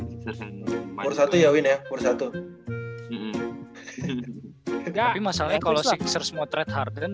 hai main satu ya wina persatu enggak masalah kalau sixers motret harden